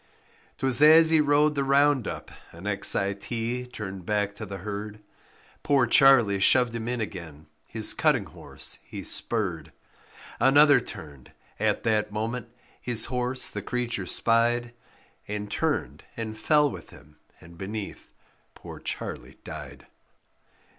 'Twas as he rode the round up, an X I T turned back to the herd; Poor Charlie shoved him in again, his cutting horse he spurred; Another turned; at that moment his horse the creature spied And turned and fell with him, and beneath, poor Charlie died.